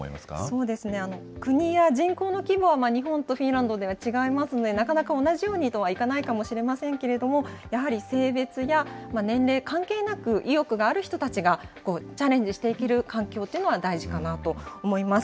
そうですね、国や人口の規模は日本とフィンランドでは違いますので、なかなか同じようにとはいかないかもしれませんけれども、やはり性別や年齢関係なく、意欲がある人たちがチャレンジしていける環境というのは大事かなと思います。